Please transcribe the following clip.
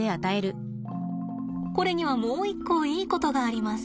これにはもう一個いいことがあります。